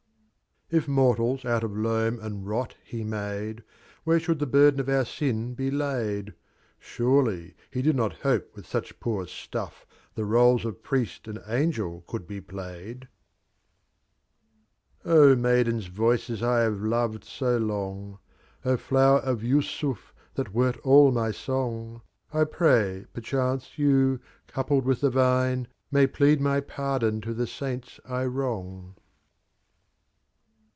VII. If Mortals out of Loam and Rol He made, Where should the Burden of our Sirt tie Laid? Surely, He did no! hope tfth such poor Stuff Tlie Roles of Priest and Anpcl oaiM bi p3ajecl I van, O Maided Voices I have loved so long, O Flower of Yousstii thai uert aJJ my Song I ] prav< perchance, Voy, coupled wilh the Viiw May plead my Pardon to the Saints 1 wrong.